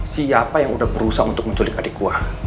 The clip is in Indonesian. siapa yang udah berusaha untuk menculik adik gua